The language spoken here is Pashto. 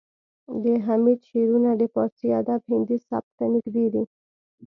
د حمید شعرونه د پارسي ادب هندي سبک ته نږدې دي